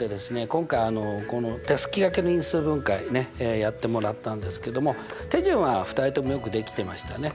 今回このたすきがけの因数分解ねやってもらったんですけども手順は２人ともよくできてましたね。